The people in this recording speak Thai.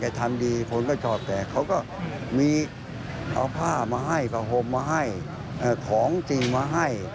แต่ทำดีคนก็จอดแตกเขาก็มีเอาผ้ามาให้ผ้าห่มมาให้ของจริงมาให้